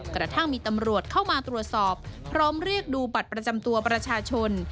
กระทั่งมีตำรวจเข้ามาตรวจสอบพร้อมเรียกดูบัตรประจำตัวประชาชน